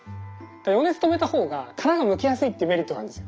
余熱止めた方が殻がむきやすいっていうメリットがあるんですよ。